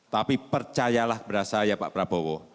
tapi percayalah kepada saya pak prabowo